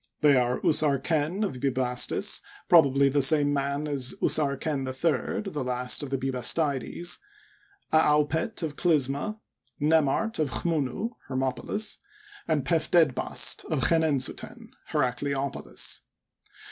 They are Usarlcen of Bubastis, probably the same man as Usarken III, the last of the Bubastides, Aaupet of Clysma, Nemart of Chntunu (Hermopolis), and Pef^ dedbast of Chenensuten (Heracleopolis).